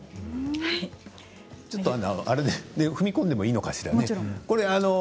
ちょっと踏み込んでもいいのかしら。